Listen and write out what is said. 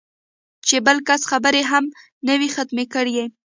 چې بل کس خبرې هم نه وي ختمې کړې